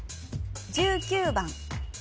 １９番